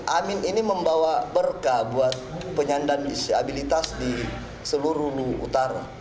amin ini membawa berkah buat penyandang disabilitas di seluruh utara